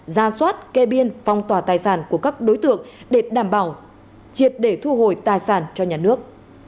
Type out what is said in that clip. ra soát kê biên phong tỏa tài sản của các đối tượng để đảm bảo triệt để thu hồi tài sản cho nhà nước